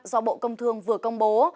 do bộ công thương vừa công bố